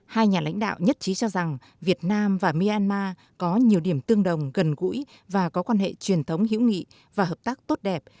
hai nhà lãnh đạo nhất trí cho rằng việt nam và myanmar có nhiều điểm tương đồng gần gũi và có quan hệ truyền thống hữu nghị và hợp tác tốt đẹp